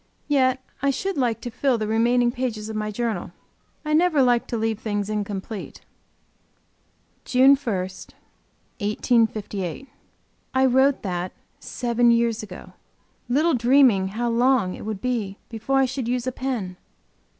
Yet I should like to fill the remaining pages of my journal; I never like to leave things incomplete. JUNE 1, 1858. I wrote that seven years ago, little dreaming how long it, would be before I should use a pen.